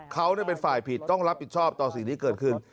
เขาเป็นฝ่ายผิดต้องรับผิดชอบต่อสิ่งที่เกิดขึ้น